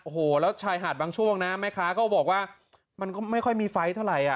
โอ้โหแล้วชายหาดบางช่วงนะแม่ค้าก็บอกว่ามันก็ไม่ค่อยมีไฟล์เท่าไหร่อ่ะ